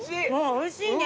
おいしいね。